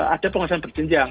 ada pengawasan berjenjang